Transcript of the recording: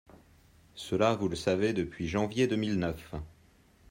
Cela, vous le savez depuis janvier deux mille neuf.